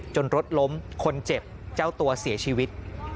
รถล้มคนเจ็บเจ้าตัวเสียชีวิต